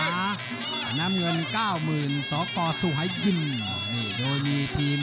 หน้าเงิน๙๐๐๐๐บาทสอกรสุหายยิน